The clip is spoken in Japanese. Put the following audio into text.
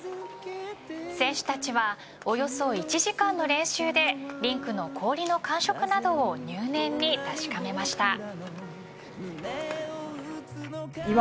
選手たちはおよそ１時間の練習でリンクの氷の感触などを入念に確かめました。